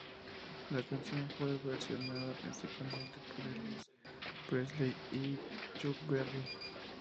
La canción fue versionada principalmente por Elvis Presley y Chuck Berry.